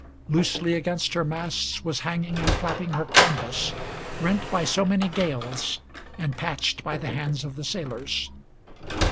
Loosely against her masts was hanging and flapping her canvas, Rent by so many gales, and patched by the hands of the sailors.